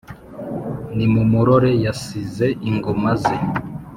nimumurore yasize ingoma ze,